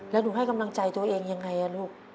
แล้วหนูให้กำลังใจตัวเองยังไงลูก